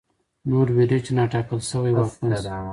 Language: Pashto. نور وېرېږي چې نا ټاکل شوی واکمن شي.